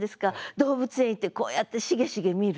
動物園行ってこうやってしげしげ見る。